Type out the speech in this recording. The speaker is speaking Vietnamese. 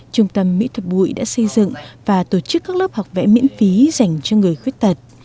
trung tâm mỹ thuật bụi đã xây dựng và tổ chức các lớp học vẽ miễn phí dành cho người khuyết tật